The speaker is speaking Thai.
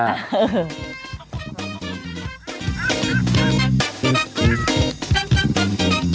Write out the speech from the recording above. ไปไกลแล้วน้องแอฟ